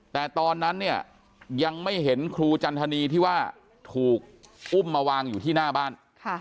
แต่ตอนนั้นเนี่ยยังไม่เห็นครูจันทนีที่ว่าถูกอุ้มมาวางอยู่ที่หน้าบ้าน